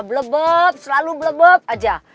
belebeb selalu belebeb aja